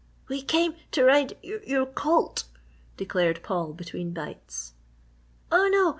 "We came to ride your colt," declared Paul, between bites. "Oh, no!